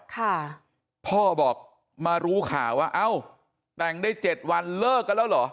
ค่ะพ่อบอกมารู้ข่าวว่าเอ้าแต่งได้เจ็ดวันเลิกกันแล้วเหรอ